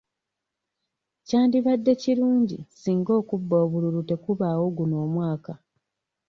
Kyandibadde kirungi singa okubba obululu tekubaawo guno omwaka .